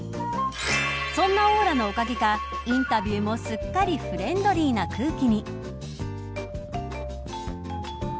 そんなオーラのおかげかインタビューもすっかりデビューから２３年。